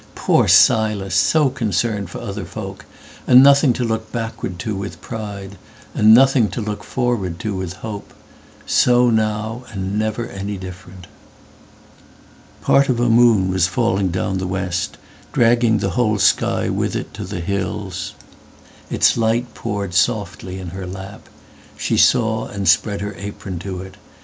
Poor Silas, so concerned for other folk, And nothing to look backward to with pride, And nothing to look forward to with hope, So now and never any different."Part of a moon was falling down the west, Dragging the whole sky with it to the hills. Its light poured softly in her lap. She sawAnd spread her apron to it.